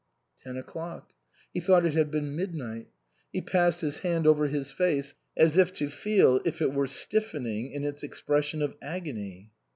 Ten o'clock. He thought it had been mid night. He passed his hand over his face, as if to feel if it were stiffening in its expression of agony.